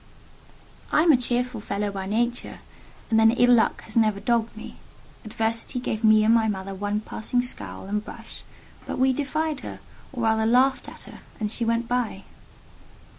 "I am a cheerful fellow by nature: and then ill luck has never dogged me. Adversity gave me and my mother one passing scowl and brush, but we defied her, or rather laughed at her, and she went by.".